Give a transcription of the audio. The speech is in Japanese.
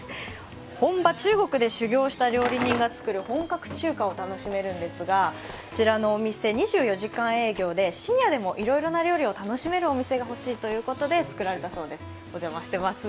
本場・中国で修業した料理人が作る本格中華を楽しめるんですが、こちらのお店２４時間営業で深夜でもいろいろな料理を楽しめる店が欲しいということでつくられたそうです、お邪魔しています。